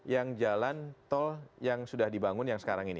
yang jalan tol yang sudah dibangun yang sekarang ini